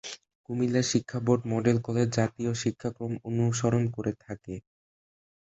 কুমিল্লা শিক্ষাবোর্ড model college জাতীয় শিক্ষাক্রম অনুসরণ করে থাকে।